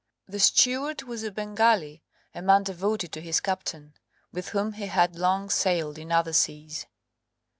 The steward was a Bengali, a man devoted to his captain, with whom he had long sailed in other seas.